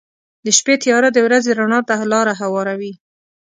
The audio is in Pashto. • د شپې تیاره د ورځې رڼا ته لاره هواروي.